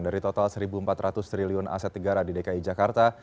dari total satu empat ratus triliun aset negara di dki jakarta